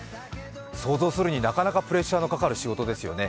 想像するに、なかなかプレッシャーのかかる仕事ですよね。